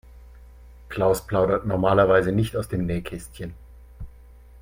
Klaus plaudert normalerweise nicht aus dem Nähkästchen.